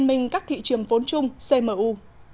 liên minh các thị trường vốn chung cmu